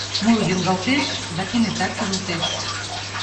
Муро йоҥгалтеш да кенета кӱрылтеш.